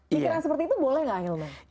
pikiran seperti itu boleh gak ya allah